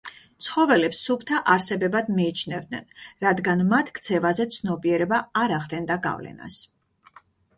ცხოველებს სუფთა არსებებად მიიჩნევდნენ, რადგან მათ ქცევაზე ცნობიერება არ ახდენდა გავლენას.